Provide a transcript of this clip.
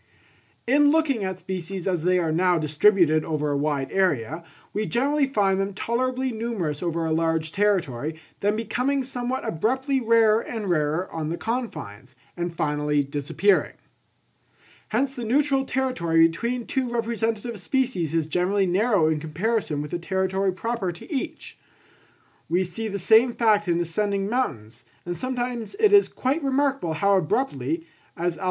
In looking at species as they are now distributed over a wide area, we generally find them tolerably numerous over a large territory, then becoming somewhat abruptly rarer and rarer on the confines, and finally disappearing. Hence the neutral territory between two representative species is generally narrow in comparison with the territory proper to each. We see the same fact in ascending mountains, and sometimes it is quite remarkable how abruptly, as Alph.